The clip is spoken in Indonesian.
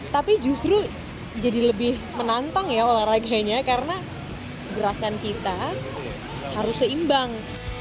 tapi justru jadi lebih menantang ya olahraganya karena gerakan kita harus seimbang